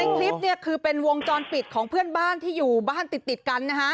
นี้คือของวงจรปิดของผู้บ้านที่อยู่บ้านติดกัน